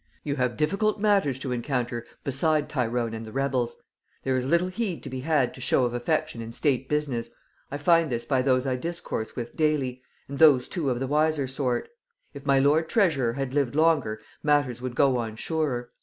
You have difficult matters to encounter beside Tyrone and the rebels; there is little heed to be had to show of affection in state business; I find this by those I discourse with daily, and those too of the wiser sort. If my lord treasurer had lived longer, matters would go on surer.